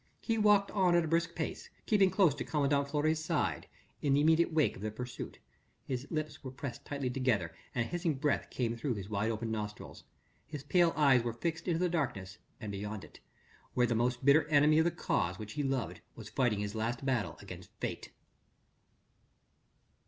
He walked on at a brisk pace, keeping close to commandant Fleury's side, in the immediate wake of the pursuit. His lips were pressed tightly together and a hissing breath came through his wide open nostrils. His pale eyes were fixed into the darkness and beyond it, where the most bitter enemy of the cause which he loved was fighting his last battle against Fate.